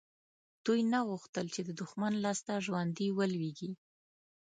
دوی نه غوښتل چې د دښمن لاسته ژوندي ولویږي.